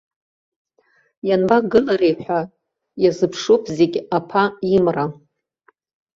Ианбагылари ҳәа иазыԥшуп зегь аԥа имра.